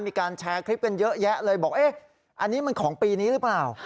มีการแชร์คลิปกันเยอะแยะเลยบอกเอ๊ะอันนี้มันของปีนี้หรือเปล่า